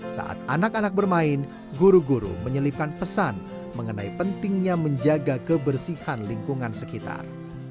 saat anak anak bermain guru guru menyelipkan pesan mengenai pentingnya menjaga kebersihan lingkungan sekitar